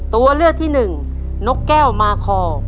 ตัวเลือดที่๓ม้าลายกับนกแก้วมาคอ